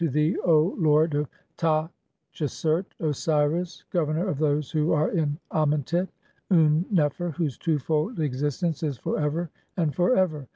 "I have come to thee, lord of Ta tchesert, Osiris, Gover nor of those who are in Amentet, Un nefer, whose twofold "existence is for ever and for ever.